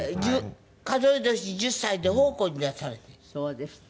数え年１０歳で奉公に出されて。